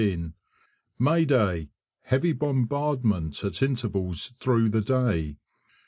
May day! Heavy bombardment at intervals through the day.